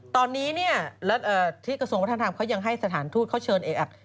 ตอนนี้ที่กระทรวงพธันธรรมยังให้สถานทูตเขาเชิญเอกอัก